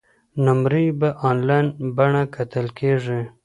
نمرې په انلاین بڼه کتل کیږي.